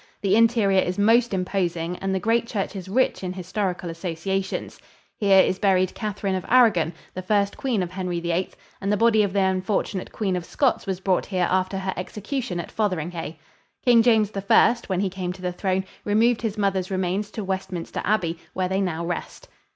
The interior is most imposing and the great church is rich in historical associations. Here is buried Catherine of Aragon, the first queen of Henry VIII, and the body of the unfortunate Queen of Scots was brought here after her execution at Fotheringhay. King James I, when he came to the throne, removed his mother's remains to Westminster Abbey, where they now rest.